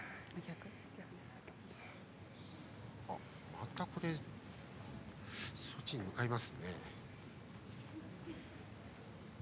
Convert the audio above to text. またこれは処置に向かいます。